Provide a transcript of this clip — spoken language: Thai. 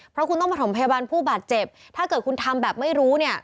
เพราะคุณต้องประถมพยาบาลผู้บาดเจ็บถ้าเกิดคุณทำแบบไม่รู้เนี่ย